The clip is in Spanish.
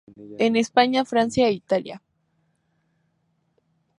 En España, Francia e Italia.